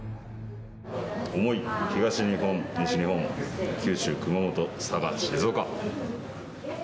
想い、東日本、西日本、九州、熊本、佐賀、静岡。